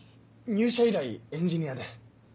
入社以来エンジニアで。